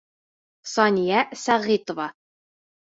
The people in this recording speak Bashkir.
Сания СӘҒИТОВА.